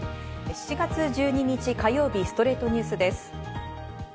７月１２日、火曜日『ストレイトニュース』です。